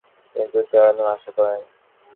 তিনি যুদ্ধ এড়ানোর আশা করেন।